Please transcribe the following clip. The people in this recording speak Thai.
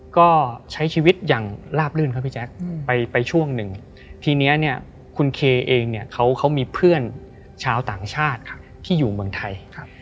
ก็ใช้ชีวิตอย่างลาบลื่นครับพี่แจ๊คไปช่วงหนึ่งทีนี้เนี่ยคุณเคเองเนี่ยเขามีเพื่อนชาวต่างชาติที่อยู่เมืองไทย